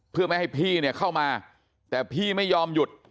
เพื่อไม่ให้พี่เนี่ยเข้ามาแต่พี่ไม่ยอมหยุด